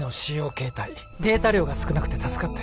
携帯データ量が少なくて助かったよ